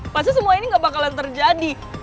pasti semua ini gak bakalan terjadi